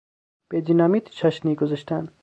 به دینامیت چاشنی گذاشتن